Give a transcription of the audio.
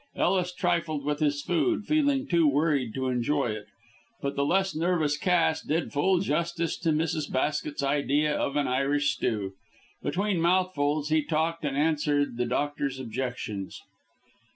Ellis trifled with his food, feeling too worried to enjoy it, but the less nervous Cass did full justice to Mrs. Basket's idea of an Irish stew. Between mouthfuls he talked and answered the doctor's objections.